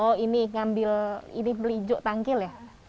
oh ini ngambil ini beli jog tangkil ya